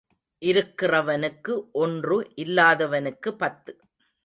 இருக்கிறவனுக்கு ஒன்று இல்லாதவனுக்குப் பத்து.